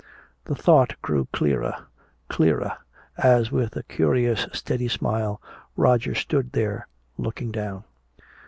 The thought grew clearer, clearer, as with a curious steady smile Roger stood there looking down.